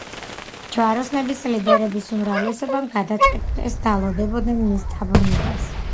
ჯვაროსნების ლიდერების უმრავლესობამ გადაწყვიტეს დალოდებოდნენ მის დაბრუნებას.